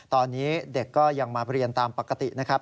ตอนนี้เด็กก็ยังมาเรียนตามปกตินะครับ